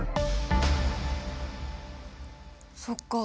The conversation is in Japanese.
そっか。